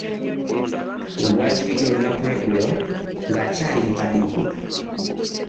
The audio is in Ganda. We bwazibidde olunaku lw'eggulo, ng'akyali mu kaduukulu.